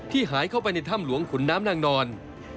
หายเข้าไปในถ้ำหลวงขุนน้ำนางนอน